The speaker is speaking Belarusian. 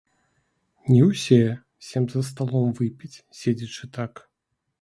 Не ўсе сем за сталом выпіць, седзячы так.